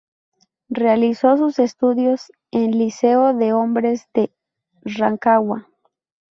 Realizó sus estudios en el Liceo de Hombres de Rancagua.